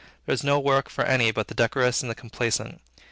There is no work for any but the decorous and the complaisant.